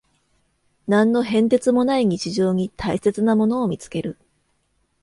何の変哲もない日常に大切なものを見つける